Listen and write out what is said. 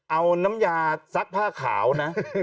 เอาน้ำยาซักผ้าขาวนะ